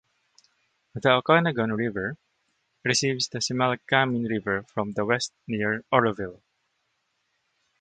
The Okanogan River receives the Similkameen River from the west near Oroville.